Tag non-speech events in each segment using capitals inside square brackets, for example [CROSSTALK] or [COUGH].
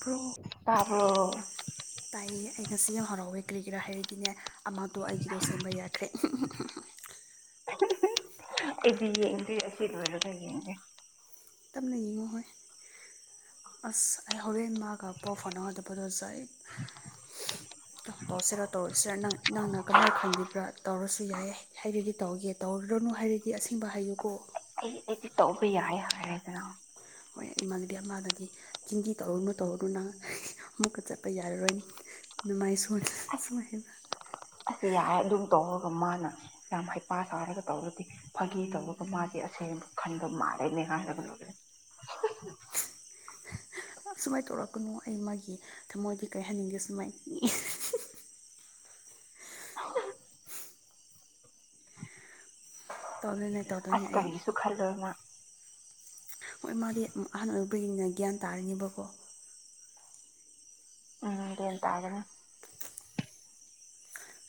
ꯄꯔꯣ ꯇꯥꯕꯔꯣ ꯇꯥꯏ ꯑꯩ ꯉꯁꯤ ꯌꯥꯝ ꯍꯔꯥꯎꯋꯦ ꯀꯔꯤꯒꯤꯔꯥ ꯍꯥꯏꯔꯒꯤꯅꯦ ꯑꯃꯥꯇꯣ ꯑꯩꯒꯤꯗꯣ ꯁꯦꯝꯕ ꯌꯥꯈ꯭ꯔꯦ ꯑꯩꯗꯤ ꯌꯦꯡꯗꯔ꯭ꯤ ꯑꯁꯤ ꯂꯣꯏꯔꯒ ꯌꯦꯡꯒꯤ ꯇꯞꯅ ꯌꯦꯡꯉꯣ ꯍꯣꯏ ꯑꯁ ꯑꯩ ꯍꯣꯔꯦꯟ ꯃꯥꯒ ꯄꯥꯎ ꯐꯣꯟꯅꯒꯗꯕꯗꯣꯖꯥꯏ [UNINTELLIGIBLE] ꯇꯧꯔꯁꯤꯔꯥ ꯇꯧꯔꯁꯤꯔ ꯅꯪ ꯅꯪꯅ ꯀꯃꯥꯏꯅ ꯈꯟꯕꯤꯕ꯭ꯔꯥ ꯇꯧꯔꯁꯨ ꯌꯥꯏꯌꯦ ꯍꯥꯏꯔꯗꯤ ꯇꯧꯒꯦ ꯇꯧꯔꯗ꯭ꯔꯅꯨ ꯍꯥꯏꯔꯗꯤ ꯑꯁꯦꯡꯕ ꯍꯥꯏꯌꯨꯀꯣ ꯑꯩ ꯑꯩꯗꯤ ꯇꯧꯕ ꯌꯥꯏ ꯍꯥꯏꯔꯗꯅ ꯏꯃꯥꯗꯨꯗꯤ ꯑꯃꯥꯗꯗꯤ ꯆꯤꯟꯗꯤ ꯇꯧꯔꯨꯅꯨ ꯇꯧꯔꯨꯅꯨ ꯅꯪ ꯑꯃꯨꯛꯀ ꯆꯠꯄ ꯌꯥꯔꯔꯣꯏ ꯅꯨꯡꯃꯥꯏ ꯁꯣ ꯁꯃꯥꯏ ꯑꯁꯤ ꯌꯥꯔ ꯑꯗꯨꯝ ꯇꯧꯔꯒ ꯃꯥꯅ ꯌꯥꯝ ꯍꯩꯄꯥ ꯁꯥꯔꯒ ꯇꯧꯔꯗꯤ ꯐꯥꯒꯤ ꯇꯧꯔꯒ ꯃꯥꯁꯦ ꯑꯁꯦꯡꯕ ꯈꯟꯕ ꯃꯥꯜꯂꯦꯅꯦ ꯀꯥꯟꯗꯒꯅꯤ ꯌꯥꯝ ꯁꯨꯃꯥꯏꯅ ꯇꯧꯔꯛꯀꯅꯨ ꯑꯩ ꯃꯥꯒꯤ ꯊꯃꯣꯏꯗꯤ ꯀꯩ ꯍꯥꯏꯟꯅꯤꯡꯗꯦ ꯁꯨꯃꯥꯏꯅ [UNINTELLIGIBLE] ꯇꯧꯗꯣꯏꯅꯦ ꯇꯧꯗꯣꯏꯅꯦ ꯑꯩ ꯁꯨ ꯈꯜꯂꯣꯏꯅ ꯍꯣꯏ ꯃꯥꯗꯤ ꯑꯍꯥꯟꯕ ꯑꯣꯏ ꯑꯣꯏꯅꯤꯅ ꯒ꯭ꯌꯥꯟ ꯇꯥꯔꯤꯅꯦꯕꯀꯣ [UNINTELLIGIBLE] ꯇꯥꯒꯅꯤ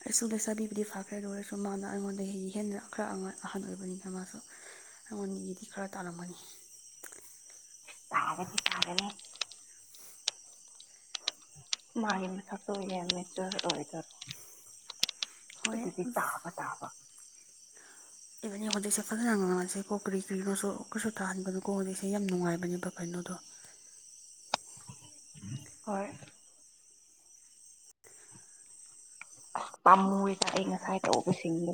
ꯑꯩꯁꯨ ꯂꯩꯁꯥꯕꯤꯕꯨꯗꯤ ꯐꯈ꯭ꯔꯦ ꯑꯗꯨ ꯑꯣꯏꯔꯁꯨ ꯃꯥꯅ ꯑꯩꯉꯣꯟꯗ ꯍꯦꯟꯅ ꯈꯔ ꯑꯍꯟ ꯑꯣꯏꯕꯅꯤꯅ ꯃꯥꯁꯨ ꯑꯩꯉꯣꯟꯗꯒꯤꯗꯤ ꯈꯔ ꯇꯥꯜꯂꯝꯒꯅꯤ ꯇꯥꯒꯅꯤ ꯇꯥꯒꯅꯤ ꯃꯥꯒꯤ ꯃꯁꯛꯇꯣ ꯌꯥꯝ ꯅꯦꯆ ꯑꯣꯏꯗꯔꯣ ꯍꯣꯏ ꯑꯗꯨꯗꯤ ꯇꯥꯕ [UNINTELLIGIBLE] ꯏꯕꯅꯤ ꯍꯧꯖꯤꯛꯁꯦ ꯐꯖꯅ ꯉꯥꯡꯉꯁꯤ ꯀꯣ ꯀꯔꯤ ꯀꯔꯤꯅꯣꯁꯨ ꯀꯔꯤꯁꯨ ꯇꯥꯍꯟꯕꯅꯀꯣ ꯍꯧꯖꯤꯛꯁꯦ ꯌꯥꯝ ꯅꯨꯡꯉꯥꯏꯕꯅꯦꯕ ꯀꯩꯅꯣꯗꯣ ꯍꯣꯏ ꯑꯁ ꯄꯥꯝꯃꯨꯔꯤꯗ ꯑꯩ ꯉꯁꯥꯏ ꯇꯧꯕꯁꯤꯡꯗꯣ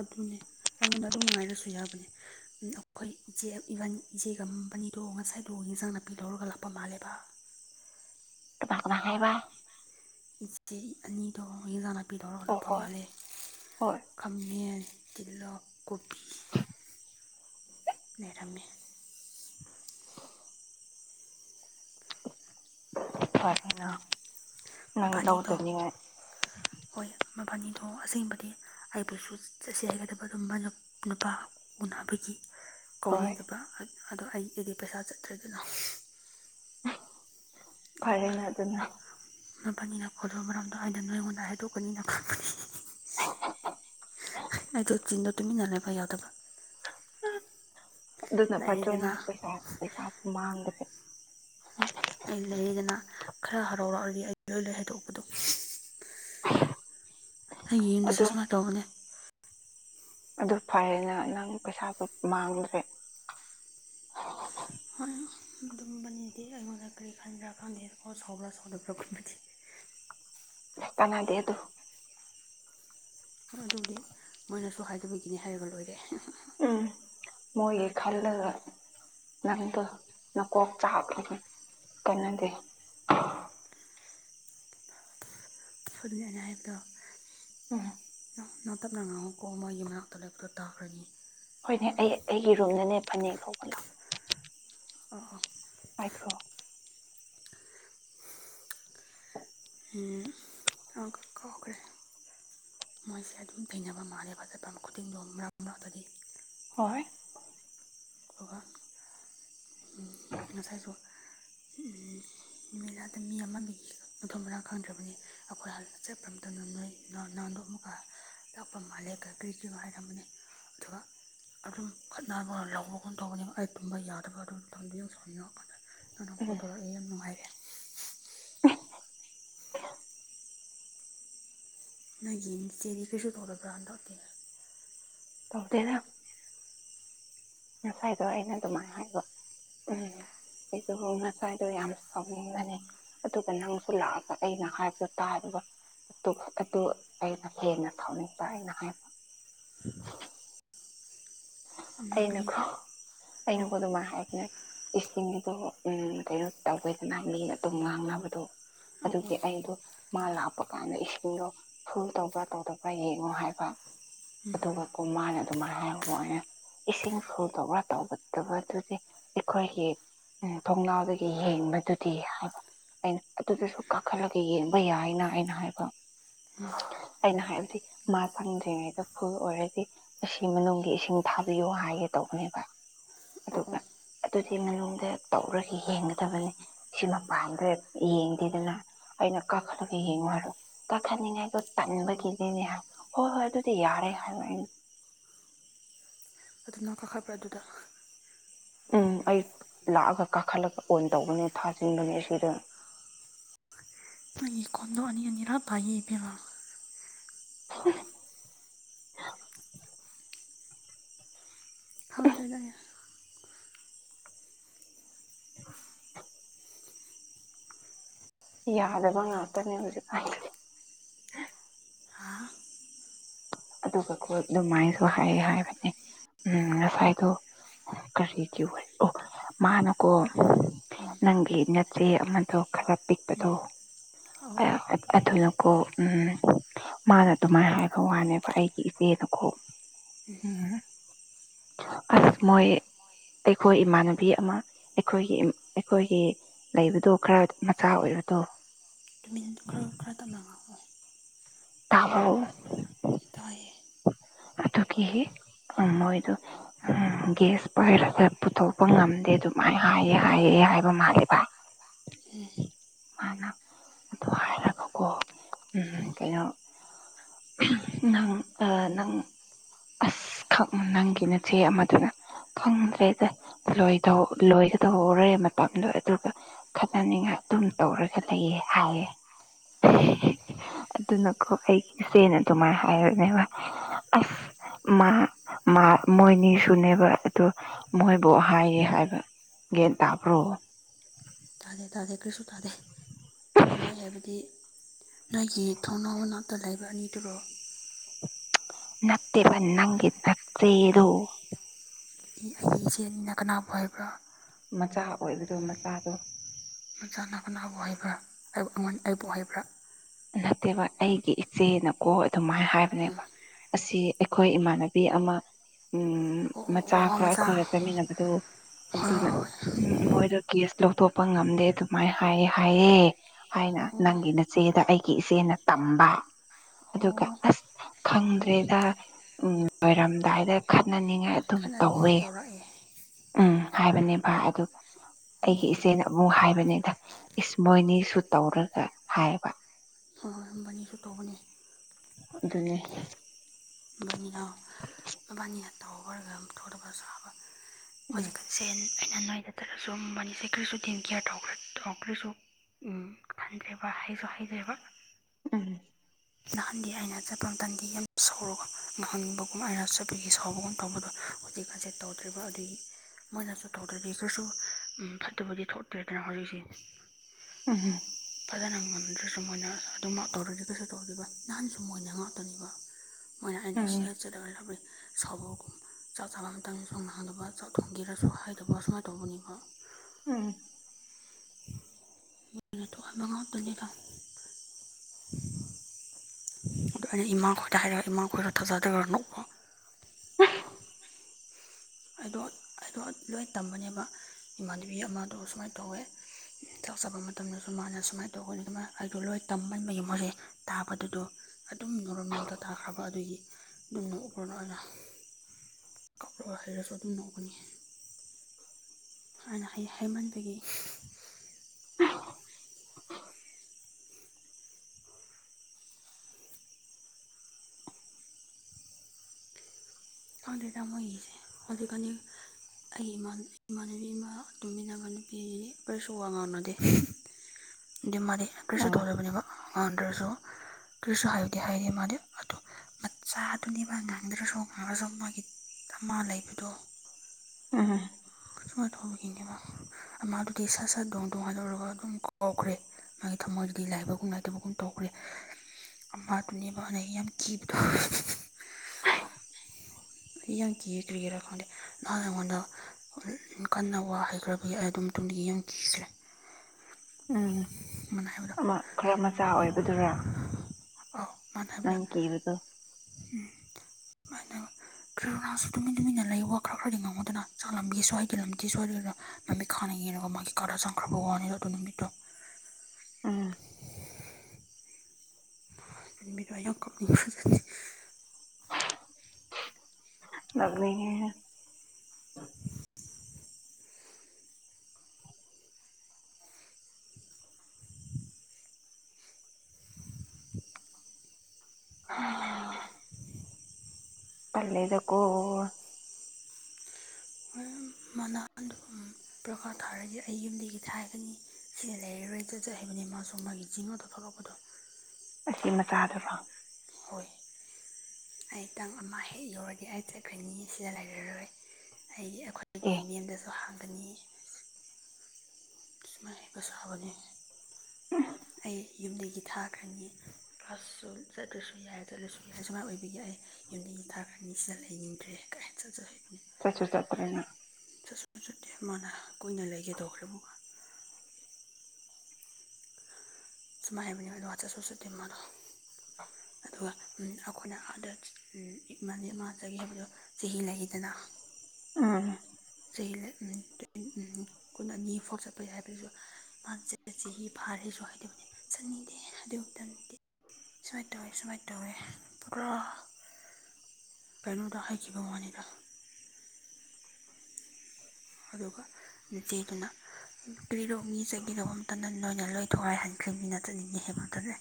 ꯑꯗꯨꯅꯦ ꯑꯩꯉꯣꯟꯗ ꯑꯗꯨꯝ ꯉꯥꯏꯔꯁꯨ ꯌꯥꯕꯅꯦ ꯑꯩꯈꯣꯏ ꯏꯆꯦ ꯏꯚꯟ ꯏꯆꯦꯒꯝꯕꯅꯤꯗꯣ ꯉꯁꯥꯏꯗꯣ ꯌꯦꯟꯖꯥꯡ ꯅꯥꯄꯤ ꯂꯧꯔꯒ ꯂꯥꯛꯄ ꯃꯥꯜꯂꯦꯕ ꯕꯥꯥꯛꯅ ꯍꯥꯏꯕ ꯏꯆꯦ ꯑꯅꯤꯗꯣ ꯏꯟꯖꯥꯡ ꯅꯥꯄꯤꯗꯧꯔꯣ ꯑꯣ ꯂꯥꯛꯄ ꯍꯣꯏ ꯃꯥꯜꯂꯦ ꯍꯣꯏ ꯈꯥꯃꯦꯟ ꯇꯤꯜꯂꯧ ꯀꯨꯞꯄꯤ ꯂꯩꯔꯝꯃꯤ ꯐꯔꯅ ꯃꯕꯥꯅꯤꯗꯣ ꯍꯣꯏ ꯃꯕꯥꯅꯤꯗꯣ ꯑꯁꯦꯡꯕꯗꯤ ꯑꯩꯕꯨꯁꯨ ꯆꯠꯁꯤ ꯍꯥꯏꯒꯗꯕ ꯑꯗꯨ ꯅꯨꯄꯥ ꯎꯅꯕꯒꯤ ꯍꯣꯏ ꯀꯥꯎꯅꯤꯡꯗꯕ ꯑꯗꯣ ꯑꯩꯒꯤꯗꯤ ꯄꯩꯁꯥ ꯆꯠꯇ꯭ꯔꯒꯤꯅ ꯐꯔꯦꯅꯦ ꯑꯗꯨꯅ ꯃꯄꯅꯤꯅ ꯈꯣꯗꯣ ꯃꯔꯝꯗꯣ ꯍꯥꯏꯗ ꯅ ꯑꯩꯉꯣꯟꯗ ꯍꯥꯏꯗꯣꯛꯀꯅꯤꯅ ꯑꯩꯗꯣ ꯆꯤꯟꯗꯣ ꯇꯨꯃꯤꯟꯅ ꯂꯩꯕ ꯌꯥꯎꯗꯕ ꯑꯗꯨꯅ ꯄꯇ꯭ꯔꯅ ꯂꯩꯔꯦꯗꯅ ꯄꯩꯁꯥ ꯄꯩꯁꯥꯁꯨ ꯃꯥꯡꯈ꯭ꯔꯦ ꯎꯝ ꯑ ꯂꯩꯗꯅ ꯈꯔ ꯍꯔꯥꯎꯔꯛꯑꯒ ꯑꯩ ꯂꯣꯏ ꯂꯣꯏ ꯍꯥꯏꯗꯣꯛꯄꯗꯣ [UNINTELLIGIBLE] ꯍꯌꯦꯟ ꯗꯁꯨ ꯑꯗꯨ ꯁꯨꯃꯥꯏ ꯇꯧꯕꯅꯦ ꯑꯗꯨ ꯐꯔꯦꯅ ꯅꯪ ꯄꯩꯁꯥꯁꯨ ꯃꯥꯡꯗ꯭ꯔꯦ ꯑꯗꯤ ꯑꯩꯉꯣꯟꯗ ꯀꯔꯤ ꯈꯪꯗ꯭ꯔꯥ ꯈꯪꯗꯦꯀꯣ ꯁꯥꯎꯕꯂ ꯁꯧꯗꯕ꯭ꯔ ꯀꯨꯝ ꯀꯅꯥꯗꯦ ꯑꯗꯨ ꯑꯗꯨꯕꯨꯗꯤ ꯃꯣꯏꯅꯁꯨ ꯍꯥꯏꯗꯕꯒꯤꯅꯤ ꯍꯥꯏꯔꯒ ꯂꯣꯏꯔꯦ ꯎꯝ ꯃꯣꯏꯒꯤ ꯈꯜꯂꯒ ꯅꯪꯗꯣ ꯃꯀꯣꯛ ꯆꯥꯛꯂꯒ ꯀꯥꯟꯅꯗꯦ ꯍꯧꯖꯤꯛ ꯑꯩꯅ ꯍꯥꯏꯕꯗꯣ ꯎꯝ ꯅꯪ ꯇꯞꯅ ꯉꯥꯥꯡꯉꯣ ꯀꯣ ꯃꯣꯏꯒꯤ ꯃꯅꯥꯛꯇ ꯂꯩꯕꯗꯣ ꯇꯥꯈ꯭ꯔꯅꯤ ꯍꯣꯏꯅꯦ ꯑꯩ ꯑꯩꯒꯤ ꯔꯨꯝꯗꯅꯦ ꯐꯅꯦꯛ ꯊꯣꯛꯕ ꯂꯥꯛꯑꯣ ꯑꯥ ꯑꯥ ꯑꯈꯣ [INAUDIBLE] [INAUDIBLE] ꯎꯝ ꯀ ꯀꯈ꯭ꯔꯦ [INAUDIBLE] ꯃꯣꯏꯁꯦ ꯑꯗꯨꯝ ꯊꯦꯡꯅꯕ ꯃꯥꯜꯂꯦꯕ ꯆꯠꯄ ꯈꯨꯗꯤꯡꯗꯣ ꯃꯔꯛ ꯃꯔꯛꯇꯗꯤ ꯍꯣꯏ ꯑꯗꯨꯒ ꯉꯁꯥꯏꯁꯨ ꯑꯝ ꯃꯦꯂꯥꯗ ꯃꯤ ꯑꯃꯒꯤ ꯃꯊꯣꯕꯥ ꯈꯪꯗ꯭ꯔꯕꯅꯤ [INAUDIBLE] ꯑꯩꯈꯣꯏ ꯍꯥꯟꯅ ꯆꯠꯄ ꯃꯇꯝꯗ ꯅꯣꯏ ꯅꯍꯟꯗꯣ ꯑꯃꯨꯛꯀ ꯂꯥꯛꯄ ꯃꯥꯜꯂꯦ ꯀꯔꯤ ꯀꯔꯤ ꯍꯥꯏꯔꯝꯕꯅꯦ ꯑꯗꯨꯒ ꯑꯗꯨꯝ ꯈꯠꯅꯕ ꯂꯧꯕ ꯈꯣꯠꯅ ꯇꯧꯕꯅꯦꯕ ꯑꯩ ꯇꯨꯝꯕ ꯌꯥꯗꯕ ꯑꯗꯨꯗꯤ ꯌꯥꯝ ꯁ ꯑꯗꯨ ꯀꯣꯜ ꯎꯝ ꯇꯧꯔꯛꯑꯦ ꯅꯨꯡꯉꯥꯏꯔꯦ [INAUDIBLE] ꯅꯪꯒꯤ ꯅꯆꯦꯗꯤ ꯀꯩꯁꯨ ꯇꯧꯗꯕ꯭ꯔꯥꯥ ꯍꯥꯟꯗꯛꯇꯤ ꯇꯧꯗꯦꯗ ꯉꯁꯥꯏꯗꯣ ꯑꯩꯅ ꯑꯗꯨꯃꯥꯏꯅ ꯍꯥꯏꯕ ꯎꯝ ꯑꯩꯗꯣ ꯉꯁꯥꯏꯗꯣ ꯌꯥꯝ ꯁꯥꯎꯅꯤꯡꯕꯅꯦ ꯑꯗꯨꯒ ꯅꯪꯁꯨ ꯂꯥꯛꯑꯒ ꯑꯩꯅ ꯍꯥꯏꯕꯗꯣ ꯇꯥꯏꯔ ꯑꯗꯨ ꯑꯩꯅ ꯍꯦꯟꯅ ꯁꯥꯎꯅꯤꯡꯕ ꯑꯩꯅ ꯍꯥꯏꯕ ꯎ [INAUDIBLE] ꯀꯔꯤ ꯑꯩꯅꯀꯣ ꯑꯩꯅꯀꯣ ꯑꯣ ꯑꯗꯨꯃꯥꯢꯅ ꯍꯥꯏꯕꯅꯦ ꯏꯁꯤꯡꯗꯣ ꯎꯝ ꯀꯩꯅꯣ ꯇꯧꯋꯦꯗꯅ ꯃꯤꯅ ꯑꯗꯨꯝ ꯉꯥꯡꯅꯕꯗꯣ ꯑꯣ ꯑꯣ ꯑꯗꯨꯒꯤ ꯑꯩꯗꯣ ꯃꯥ ꯂꯥꯛꯞꯄ ꯀꯥꯟꯗ ꯏꯁꯤꯡꯗꯣ ꯐꯨꯜ ꯇꯧꯕ꯭ꯔꯥ ꯇꯧꯗꯕ꯭ꯔꯥ ꯌꯦꯡꯉꯣ ꯍꯥꯏꯕ ꯑꯗꯨꯒ ꯀꯣ ꯃꯥꯅ ꯑꯗꯨꯃꯥꯏꯅ ꯍꯥꯏꯅ ꯏꯁꯤꯡ ꯐꯨꯜ ꯇꯧꯕ ꯇꯧꯗꯕ ꯑꯗꯨꯗꯤ ꯑꯩꯈꯣꯏꯒꯤ ꯎꯝ ꯊꯣꯡꯅꯥꯎꯗꯒꯤ ꯌꯦꯡꯕꯗꯨꯗꯤ ꯍꯥꯏꯕ ꯑꯩꯅ ꯑꯗꯨꯗꯁꯨ ꯀꯥꯈꯠꯂꯒ ꯌꯦꯡꯕ ꯌꯥꯏꯅ ꯑꯩꯅ ꯍꯥꯏꯕ ꯑꯩꯅ ꯍꯥꯏꯕꯗꯤ ꯃꯥ ꯆꯪꯗ꯭ꯔꯤꯉꯩꯗ ꯐꯨꯜ ꯑꯣꯏꯔꯗꯤ ꯏꯁꯤꯡ ꯃꯅꯨꯡꯒꯤ ꯏꯁꯤꯡ ꯊꯥꯕꯤꯌꯣ ꯍꯥꯏꯒꯦ ꯇꯧꯕꯅꯦꯕ ꯑꯣ ꯑꯗꯨꯒ ꯑꯣ ꯑꯗꯨꯗꯤ ꯃꯅꯨꯡꯗ ꯇꯧꯔꯒ ꯌꯦꯡꯒꯗꯕꯅꯤ ꯁꯤ ꯃꯄꯥꯟꯗ ꯌꯦꯡꯗꯦꯗꯅ ꯑꯩꯩꯅ ꯀꯥꯈꯠꯂꯒ ꯌꯦꯡꯉꯣ ꯍꯥꯢꯕ ꯀꯥꯈꯠꯅꯤꯡꯉꯥꯏꯗꯣ ꯇꯟꯕꯒꯤꯅꯦ ꯍꯥꯏ ꯍꯣꯏ ꯍꯣꯏ ꯑꯗꯨꯗꯤ ꯌꯥꯔꯦ ꯍꯥꯏ ꯑꯗꯨ ꯅꯪ ꯀꯥꯈꯠꯕꯔꯥ ꯑꯗꯨꯗ ꯎꯝ ꯑꯩ ꯂꯥꯛꯑꯒ ꯀꯥꯈꯠꯂꯒ ꯑꯣꯟ ꯇꯧꯕꯅꯦ ꯊꯥꯖꯤꯟꯕꯅꯦ ꯁꯤꯗ ꯅꯪꯒꯤ ꯀꯣꯟꯗꯣ ꯑꯅꯤꯔꯛ ꯑꯅꯤꯔꯛ ꯇꯥꯏꯌꯦ ꯏꯕꯦꯝꯃ [INAUDIBLE] ꯐꯥꯎꯗ꯭ꯔꯗꯦ [INAUDIBLE] ꯌꯥꯗꯕ ꯉꯥꯛꯇꯥꯅꯦ ꯍꯧꯖꯤꯛꯒꯥꯟꯁꯦ ꯑꯥ [INAUDIBLE] ꯑꯗꯨꯒꯀꯣ ꯑꯗꯨꯃꯥꯏꯅꯁꯨ ꯍꯥꯏ ꯍꯥꯏꯕꯅꯦ ꯎꯝ ꯉꯁꯥꯏꯗꯣ ꯀꯔꯤꯒꯤ ꯑꯣ ꯃꯥꯅ ꯀꯣ ꯅꯪꯒꯤ ꯅꯆꯦ ꯑꯃꯗꯣ ꯈꯔ ꯄꯤꯛꯄꯗꯣ ꯑꯣ ꯑꯩꯂꯣ ꯎꯝ ꯃꯥꯅ ꯑꯗꯨꯃꯥꯏꯅ ꯍꯥꯏꯕ ꯋꯥꯅꯦ ꯑꯩꯒꯤ ꯏꯆꯦꯅꯀꯣ ꯎꯝ ꯑꯁ ꯃꯣꯏ ꯑꯩꯈꯣꯏ ꯏꯃꯥꯟꯅꯕꯤ ꯑꯃ ꯑꯩꯈꯣꯏꯒꯤ ꯑꯩꯈꯣꯏꯒꯤ ꯂꯩꯕꯗꯣ ꯈꯔ ꯃꯆꯥ ꯑꯣꯏꯕꯗꯣ ꯇꯨꯃꯤꯟ ꯈꯔ ꯈꯔ ꯇꯞꯅ ꯇꯥꯕꯨꯣ ꯇꯥꯏꯌꯦ ꯑꯗꯨꯗꯨ ꯀ ꯑꯃꯣꯏꯗꯨ ꯎꯝ ꯒ꯭ꯦꯁ ꯄꯥꯏꯔꯒ ꯄꯨꯊꯣꯛꯄ ꯉꯝꯗꯦ ꯑꯗꯨꯃꯥꯏꯅ ꯍꯥꯏꯑ ꯍꯥꯏꯑ ꯍꯥꯏꯕ ꯃꯥꯜꯜꯂꯤꯦ ꯚꯥꯏ ꯅ ꯑꯗꯨ ꯍꯥꯏꯔꯒꯀꯣ ꯎꯝ ꯀꯩꯅꯣ ꯅꯪ ꯅꯪ ꯑꯁ ꯈꯛ ꯅꯪꯒꯤꯅꯆꯦ ꯑꯃꯗꯨꯅ ꯈꯪꯗ꯭ꯔꯦꯗ ꯂꯣꯏꯒꯗꯔꯦ ꯃꯄꯥꯝꯗꯣ ꯑꯗꯨꯒ ꯈꯠꯅꯅꯤꯡꯉꯥꯏ ꯑꯗꯨꯝ ꯇꯧꯔꯒ ꯂꯩꯌꯦ ꯍꯥꯏꯌꯦ ꯑꯗꯨꯅꯀꯣ ꯑꯩꯒꯤ ꯏꯆꯦꯅ ꯑꯗꯨꯃꯥꯏꯅ ꯍꯥꯏꯔꯨꯅꯦꯕ ꯑꯁ ꯃꯥ ꯃꯣꯏꯅꯤꯁꯨꯅꯦꯕ ꯑꯣ ꯃꯣꯏꯕꯨ ꯍꯥꯏꯌꯦ ꯍꯥꯏꯕ ꯒꯤꯌꯟ ꯇꯕ꯭ꯔꯣ ꯇꯥꯗꯦ ꯇꯥꯗꯦ ꯀꯔꯤꯁꯨ ꯇꯥꯗꯦ ꯃꯣꯏ ꯍꯥꯏꯕꯗꯤ ꯅꯣꯏꯒꯤ ꯊꯧꯅꯥꯎꯅꯥꯛꯇ ꯂꯩꯕ ꯑꯅꯤꯗꯨꯔꯣ ꯅꯠꯇꯦꯕꯅꯤ ꯅꯪꯗ ꯅꯠꯇꯣ ꯑꯩꯒꯤ ꯏꯆꯦ ꯑꯅꯤꯅ ꯀꯅꯥꯕꯨ ꯍꯥꯏꯕ꯭ꯔꯥ ꯃꯆꯥ ꯑꯣꯏꯕꯗꯨ ꯃꯆꯥꯗꯣ ꯆꯥꯥꯅꯥꯕꯨ ꯍꯩꯕ꯭ꯔꯥ ꯑꯩꯕꯨ ꯍꯩꯕ꯭ꯔꯥ ꯅꯠꯇꯦꯕ ꯑꯩꯒꯤ ꯏꯆꯦꯅꯀꯣ ꯑꯗꯨꯃꯥꯏꯅ ꯍꯥꯏꯕꯅꯦꯕ ꯑꯁꯤ ꯑꯩꯈꯣꯏ ꯏꯃꯥꯟꯅꯕꯤ ꯑꯃ ꯑꯣ ꯃꯆꯥ ꯑꯣ ꯑꯣ ꯈꯔ ꯑꯩꯈꯣꯏꯒ ꯆꯠꯃꯤꯟꯅꯕꯗꯨꯣ ꯑꯗꯨꯅ ꯍꯣꯏ ꯍꯣꯏ ꯎꯝ ꯃꯣꯏꯗ ꯀꯦꯁ ꯂꯧꯊꯣꯛꯄ ꯉꯝꯗꯦ ꯑꯗꯨꯃꯥꯏꯅ ꯍꯥꯏꯌꯦ ꯍꯥꯏꯑꯦ ꯍꯥꯏꯅ ꯍꯣꯏ ꯅꯪꯒꯤ ꯅ ꯆꯆꯦꯗ ꯑꯩꯒꯤ ꯏꯆꯦꯅ ꯇꯝꯕ ꯑꯣ ꯑꯗꯨꯒ ꯑꯣ ꯑꯁ ꯈꯪꯗ꯭ꯔꯦꯗ ꯎꯝ ꯂꯣꯏꯔꯝꯗꯥꯏꯗ ꯈꯠꯅꯅꯤꯡꯉꯥꯏ ꯑꯗꯨꯝ ꯈꯠꯅꯅꯤꯡꯉꯥꯏ ꯇꯧꯋꯦ ꯇꯧꯔꯛꯑꯦ ꯎꯝ ꯍꯥꯏꯕꯅꯦ ꯚ ꯑꯗꯨꯒ ꯑꯣ ꯑꯩꯒꯤ ꯏꯆꯦꯅ ꯑꯃꯨꯛ ꯍꯥꯏꯕꯅꯤꯗ ꯏꯁꯃꯣꯏꯅꯤꯁꯨ ꯇꯧꯔꯒ ꯍꯥꯏꯕ ꯍꯣꯏ ꯍꯣꯏꯕꯥꯅꯤꯁꯨ ꯇꯧꯕꯅꯤ ꯑꯗꯨꯅꯤ ꯃꯅꯤꯅ ꯃꯕꯥꯅꯤꯅ ꯇꯧꯈꯔꯒꯝ ꯊꯣꯒ ꯁꯥꯕ ꯎꯝ ꯍꯧꯖꯤꯛꯀꯥꯟꯁꯦ ꯑꯩꯅ ꯅꯣꯏꯗ ꯇꯠꯔꯁꯨ ꯃꯅꯤꯁꯦ ꯀꯔꯤꯁꯨ ꯇꯝ ꯀꯤꯌꯔ ꯇꯧꯈ꯭ꯔꯦ ꯀ꯭ꯔꯔꯤꯁꯨ ꯎꯝ ꯈꯟꯗ꯭ꯦꯔꯤꯕ ꯍꯩꯁꯨ ꯍꯩꯗ꯭ꯦꯔꯤꯕ ꯎꯝ ꯅꯍꯥꯟꯗꯤ ꯑꯩꯅ ꯆꯠꯄ ꯃꯇꯝꯗ ꯌꯥꯝ ꯁꯥꯎꯔꯒ ꯉꯍꯟꯅꯤꯡꯕꯒꯨꯝ ꯑꯩꯅ ꯆꯠꯄꯒꯤ ꯁꯥꯎꯕꯒꯨꯝ ꯇꯧꯕꯗꯣ ꯍꯧꯖꯤꯦꯛ ꯈꯖꯦꯠ ꯇꯧꯗ꯭ꯔꯤꯕ ꯑꯗꯨꯒꯤ ꯃꯣꯏꯅꯁꯨ ꯇꯧꯗ꯭ꯔꯗꯤ ꯀꯔꯤꯁꯨ ꯎ ꯐꯠꯇꯕꯗꯤ ꯊꯣꯛꯇ꯭ꯔꯦꯗꯅ ꯍꯧꯖꯤꯛꯁꯤ ꯎꯝꯝ ꯐꯖꯅ ꯉꯝꯗ꯭ꯔꯦꯁꯨ ꯃꯣꯏꯅ ꯑꯗꯨꯝꯃꯛ ꯇꯧꯔꯗꯤ ꯀꯩ ꯇꯧꯔꯤꯕ ꯅꯍꯥꯟꯁꯨ ꯃꯣꯏꯅ ꯉꯥꯛꯇꯅꯦꯕ ꯃꯣꯏꯅ ꯑꯩꯅ ꯎꯝ ꯁꯤꯗ ꯆꯠꯂꯒ ꯂꯧꯏ ꯁꯥꯎꯕꯒꯨꯝ ꯆꯥꯛ ꯆꯥꯕ ꯃꯇꯝꯗ ꯁꯣꯡꯅꯥꯥꯡꯗꯕ ꯆꯥꯛ ꯊꯣꯡꯒꯔꯁꯨ ꯍꯥꯏꯗꯕ ꯁꯨꯃꯥꯏꯅ ꯇꯧꯕꯅꯤꯀꯣ ꯎꯝ ꯇꯅꯦꯀ ꯗ ꯏꯃꯥ ꯈ ꯊꯅ ꯏꯃꯥ ꯈꯅ ꯊꯖꯥꯗ ꯄ ꯑꯩꯗꯣ ꯑꯩꯗꯣ ꯂꯣꯏ ꯇꯝꯕꯅꯦꯕ ꯏꯃꯥꯟꯅꯕꯤ ꯑꯃꯗꯣ ꯁꯨꯃꯥꯏꯅ ꯇꯧꯋꯦ ꯇꯥꯛ ꯆꯥꯕ ꯃꯇꯝꯗꯁꯨ ꯃꯥꯅ ꯁꯨꯃꯥꯏꯅ ꯇꯧꯒꯅꯤ ꯑꯗꯨꯃꯥꯏꯅ ꯑꯩꯗꯣ ꯂꯣꯏ ꯇꯝꯃꯟꯕꯒꯤ ꯃꯣꯏꯁꯦ ꯇꯥꯕꯗꯨꯗꯣ ꯑꯗꯨꯝ ꯅꯣꯔꯃꯦꯜꯗ ꯇꯥꯈ꯭ꯔꯕ ꯑꯗꯨꯒꯤ [UNINTELLIGIBLE] ꯀꯥꯞꯊꯣꯛꯑꯣꯔꯥ ꯍꯥꯏꯔꯁꯨ ꯑꯗꯨꯝ ꯅꯣꯛꯀꯥꯅꯤ ꯑꯩꯅ ꯍꯥꯏꯃꯟꯕꯒꯤ ꯈꯪꯗꯦꯗ ꯃꯣꯏꯖꯦ ꯍꯧꯖꯤꯛꯀꯥꯟꯗꯤ ꯑꯩꯒꯤ ꯏꯃꯥꯟꯅꯕꯤ ꯏꯃꯥ ꯇꯨꯃꯤꯟꯅꯕ ꯅꯨꯄꯤ ꯀꯔꯤꯁꯨ ꯋꯥ ꯉꯥꯡꯅꯗꯦ ꯗꯤ ꯃꯥꯗꯤ ꯀ꯭ꯔꯤꯁꯨ ꯑꯃ ꯇꯧꯗꯕꯅꯦꯕ ꯃꯥꯟꯗ꯭ꯔꯥꯁꯨ ꯀ꯭ꯔꯤꯁꯨ ꯍꯥꯏꯗꯦ ꯍꯥꯏꯌꯦ ꯃꯥꯗꯤ ꯑꯗꯨꯝ ꯃꯆꯥꯗꯨꯅꯤꯕ ꯉꯥꯡꯗ꯭ꯔꯁꯨ ꯉꯥꯡꯉꯁꯨ ꯃꯥꯒꯤ ꯗꯃꯥ ꯂꯩꯕꯗꯣ ꯎꯝ [UNINTELLIGIBLE] ꯑꯃꯗꯨꯗꯤ ꯁꯥ ꯁꯥ ꯗꯣꯡꯗꯣꯡ ꯗꯧꯔꯒ ꯑꯗꯨꯝ ꯇꯣꯛꯈ꯭ꯔꯦ ꯃꯥꯒꯤ ꯊꯃꯣꯏꯗꯗꯤ ꯂꯥꯏꯕꯒꯨꯝ ꯅꯥꯏꯇꯕꯒꯨꯝ ꯇꯣꯛꯈ꯭ꯔꯦ ꯑꯃꯥꯇꯨꯅꯤꯕꯅ ꯌꯥꯝꯈꯤꯕꯗꯣ ꯌꯥꯡ ꯀ꯭ꯔꯤꯒꯤꯔ ꯈꯪꯗꯦ ꯅꯥꯍꯟ ꯑꯩꯉꯣꯟꯗ ꯀꯟꯅ ꯋꯥ ꯍꯩꯈ꯭ꯔꯕꯤ ꯑꯩ ꯑꯗꯨꯝ ꯃꯇꯨꯡꯗ ꯌꯦꯝ ꯀꯤꯈ꯭ꯔꯦ ꯎꯝ ꯃꯥꯅ ꯍꯥꯏꯕꯗꯣ ꯑꯃ ꯈꯔ ꯃꯆꯥ ꯑꯣꯏꯕꯗꯨꯔꯥ ꯑꯥꯎ ꯃꯥꯥꯟ ꯍꯥꯏꯕꯅꯦ ꯅꯪ ꯀꯤꯕꯗꯣ ꯎꯝ ꯃꯥ ꯅꯪ ꯀꯔꯤꯅꯥꯁꯨ ꯇꯨꯃꯤꯟꯅ ꯇꯨꯃꯤꯟꯅ ꯂꯩ ꯋꯥ ꯈꯔ ꯈꯔꯗꯤ ꯉꯥꯡꯉꯨꯗꯅ ꯆꯥꯛ ꯂꯝꯕꯤ ꯁ꯭ꯋꯥꯏꯒꯤ ꯂꯝꯗꯤ [UNINTELLIGIBLE] ꯃꯥꯃꯤꯠ ꯈꯥ ꯌꯦꯡꯔꯒ ꯃꯥꯒꯤ ꯀꯥꯗ ꯆꯪꯈ꯭ꯔꯕ ꯋꯥꯅꯤ ꯑꯗꯨ ꯅꯨꯃꯤꯠꯇꯣ ꯎꯝ ꯅꯨꯃꯤꯠꯔꯣ ꯑꯩ ꯌꯝ ꯀꯞꯅꯤꯡ ꯅꯣꯛꯅꯤꯡꯉꯦꯍꯦ [UNINTELLIGIBLE] ꯇꯜꯂꯦꯗꯀꯣ [UNINTELLIGIBLE] ꯃꯅꯥ ꯑꯗꯨꯝ ꯄ꯭ꯔꯀꯥꯔ ꯊꯥꯔꯗꯤ ꯑꯩ ꯌꯨꯝꯗꯒꯤ ꯊꯥꯒꯅꯤ ꯁꯤꯅ ꯂꯩꯔꯔꯣꯏ ꯆꯠꯆꯠ ꯍꯥꯏꯕꯅꯤ ꯃꯥꯁꯨ ꯃꯥꯒꯤ ꯆꯤꯡꯉꯣꯗ ꯐꯔꯛꯄꯗꯣ ꯑꯁꯤ ꯃꯆꯥꯗꯨꯔꯣ ꯍꯣꯏ ꯑꯩ ꯇꯥꯡ ꯑꯃ ꯍꯦꯛ ꯌꯧꯔꯒ ꯑꯩ ꯆꯠꯈꯅꯤ ꯁꯤꯗ ꯂꯩꯔꯔꯣꯏ ꯑꯩꯒꯤ ꯑꯦ ꯑꯩꯈꯣꯏꯒꯤ ꯃꯦꯝꯗꯁꯨ ꯍꯥꯡꯒꯅꯤ ꯃꯩ ꯄꯁꯥꯕꯅꯦ ꯑꯩ ꯌꯨꯝꯗꯒꯤ ꯊꯥꯈ꯭ꯔꯅꯤ ꯑꯁꯁꯨ ꯆꯠꯇꯔꯥꯁꯨ ꯌꯥꯏ ꯆꯠꯂꯁꯨ ꯌꯥꯏ ꯁꯨꯃꯥꯏꯟ ꯑꯣꯏꯕꯒꯤ ꯑꯩ ꯌꯨꯝꯗ ꯏꯪꯊꯥꯈ꯭ꯔꯥꯅꯤ ꯁꯤꯗ ꯂꯩꯅꯤꯡꯗ꯭ꯔꯦ ꯀꯥꯏ ꯆꯠ ꯆꯠ ꯆꯠꯁꯨ ꯆꯠ꯭ꯇꯔꯦ ꯅꯪ ꯆꯠꯁꯨ ꯆꯠꯨꯇꯤ ꯃꯥꯅ ꯀꯨꯏꯅ ꯂꯩꯒꯦ ꯇꯧꯈ꯭ꯔꯦꯕꯨ ꯁꯨꯃꯥꯏ ꯍꯥꯏꯕꯅꯤ ꯑꯗꯣ ꯑꯗꯨꯒ ꯆꯠꯁꯨ ꯆꯠꯇꯦ ꯃꯗꯣ ꯑꯗꯨꯒ ꯑꯩꯈꯣꯏꯅ ꯑꯥꯗ ꯃꯥꯖꯒꯦ ꯍꯥꯏꯕꯗꯣ ꯆꯍꯤ ꯂꯩꯗꯅ ꯎꯝ ꯆꯍꯤ ꯀꯨꯟ ꯑꯅꯤꯐꯥꯎ ꯆꯠꯄ ꯌꯥꯏ ꯍꯥꯏꯕꯁꯨ [UNINTELLIGIBLE] ꯆꯍꯤ ꯐꯥꯔꯁꯨ ꯍꯥꯏꯗꯕꯅꯦ ꯆꯅꯤꯡꯗꯦ ꯑꯗꯨꯛ ꯇꯪꯗꯤ ꯁꯨꯃꯥꯏꯟ ꯇꯧꯋꯦ ꯁꯨꯃꯥꯏꯟ ꯇꯧꯋꯦ ꯒ꯭ꯔꯥ ꯀꯩꯅꯣꯗ ꯍꯥꯏꯈꯤꯕ ꯋꯥꯅꯤꯗ ꯑꯗꯨꯒ ꯅꯤꯄꯤꯗꯨꯅ ꯀꯔꯤꯔꯣ ꯃꯤ ꯆꯠꯀꯦ ꯗꯧꯕ ꯃꯇꯝꯗ ꯅꯣꯏꯅ ꯂꯣꯏ ꯊꯨꯒꯥꯏꯍꯟꯈ꯭ꯔꯃꯤꯅ ꯆꯠꯅꯤꯡꯉꯦ ꯍꯥꯏꯕ ꯃꯇꯝꯗ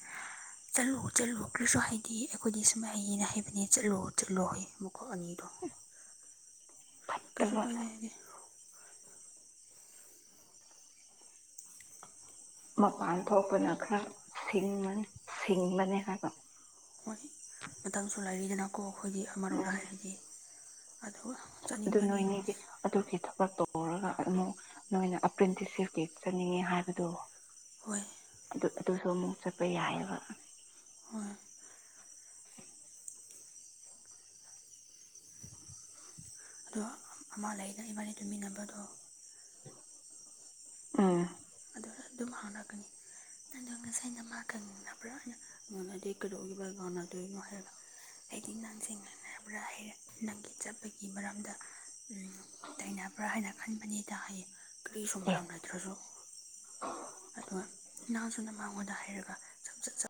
ꯆꯠꯂꯨ ꯆꯠꯂꯨ ꯀꯔꯤꯁꯨ ꯍꯥꯏꯗꯤ ꯑꯩꯈꯣꯏꯗꯤ ꯁꯨꯃꯥꯏꯌꯦꯅ ꯍꯥꯏꯕꯅꯦ ꯆꯠꯂꯨ ꯆꯠꯂꯣ ꯍꯥꯌꯦ ꯃꯀꯣꯛ ꯑꯅꯤꯗꯣ [INAUDIBLE] ꯀꯩꯁꯨ ꯐꯠꯇꯕ ꯀꯥꯏꯗꯦ ꯍꯥꯏꯒꯦ ꯃꯄꯥꯟ ꯊꯣꯛꯄꯅ ꯈꯔ ꯁꯤꯡꯕꯅꯤ ꯁꯤꯡꯕꯅꯤ ꯍꯥꯏꯕ ꯍꯣꯏ ꯃꯇꯝꯁꯨ ꯂꯩꯔꯤꯗꯅꯀꯣ ꯑꯩꯈꯣꯏꯒꯤ ꯑꯃꯔꯣꯝꯗ ꯎꯝ ꯍꯥꯏꯔꯒ ꯑꯗꯨꯒ ꯑꯗꯨ ꯆꯠꯅꯤꯡꯕꯗꯤ ꯅꯣꯏꯅꯦꯗꯤ ꯑꯗꯨꯒꯤ ꯊꯕꯛ ꯇꯧꯔꯒ ꯑꯃꯨꯛ ꯅꯣꯏꯅ ꯑꯦꯄ꯭ꯔꯦꯟꯇꯤꯁꯁꯤꯞꯀꯤ ꯆꯠꯅꯤꯡꯉꯦ ꯍꯥꯏꯕꯗꯨ ꯍꯣꯏ ꯑꯗꯨ ꯑꯗꯨꯁꯨ ꯑꯃꯨꯛ ꯆꯠꯄ ꯌꯥꯏꯑꯕ ꯍꯣꯏ ꯑꯗꯣ ꯑꯃ ꯂꯩꯒ ꯏꯕꯥꯅꯤ ꯇꯨꯃꯤꯟꯅꯕꯗꯣ ꯑꯥ ꯑꯗꯨ ꯑꯗꯨꯝ ꯍꯥꯎꯅꯛꯀꯅꯤ ꯑꯣ ꯉꯁꯥꯏ ꯑꯩꯅ ꯃꯥ ꯈꯪꯅꯤꯡꯅꯕ꯭ꯔꯥ ꯑꯩꯅ ꯑꯩꯣꯟꯅꯗꯤ ꯀꯔꯧꯒꯤ ꯒꯅ ꯇ ꯏꯅ ꯍꯥꯏ ꯍꯥꯏꯗꯤ ꯅꯪꯁꯤꯡꯦꯡꯔꯕ꯭ꯔꯥ ꯍꯥꯏꯔꯦ ꯅꯪꯒꯤ ꯆꯠꯄꯒꯤ ꯃꯔꯝꯗ ꯎꯝ ꯇꯩꯅꯕ꯭ꯔꯥ ꯍꯥꯏꯅ ꯈꯟꯕꯅꯤꯗ ꯍꯥꯏ ꯀꯔꯤꯁꯨ ꯑꯦ ꯃꯔꯝ ꯂꯩꯇ꯭ꯔꯁꯨ ꯑꯗꯨꯒ ꯏꯥꯁꯨꯅ ꯃꯥꯡꯉꯣꯟꯗ ꯍꯩꯔꯒ